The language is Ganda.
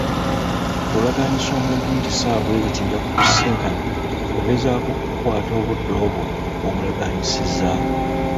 Bw'olagaanyisa omuntu nti ku ssaawa bwe ziti nja kukusisinkana, ogezaako okukukwata obudde obwo bw'omulaganyiisizza?